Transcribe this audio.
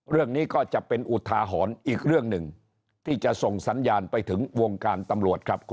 เรื่องนี้ก็จะเป็นอุทาหรณ์อีกเรื่องหนึ่งที่จะส่งสัญญาณไปถึงวงการตำรวจครับ